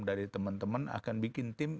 dari teman teman akan bikin tim